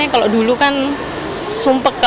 kalau dulu kan sumpah